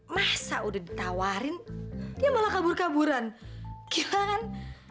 masa udah ditawarin dia malah kabur kaburan kita kan